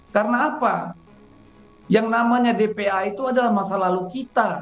karena apa yang namanya dpa itu adalah masa lalu kita